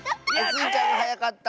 スイちゃんがはやかった。